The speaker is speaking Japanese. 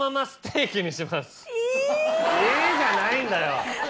「えぇ」じゃないんだよ！